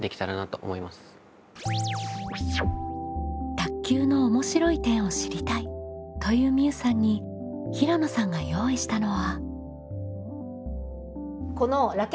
「卓球の面白い点を知りたい」というみうさんに平野さんが用意したのは。